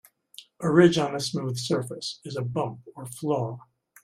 A ridge on a smooth surface is a bump or flaw.